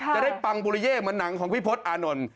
ปังบุริเย่เหมือนหนังของพี่พศอานนท์